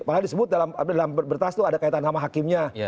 malah disebut dalam bertahs itu ada kaitan sama hakimnya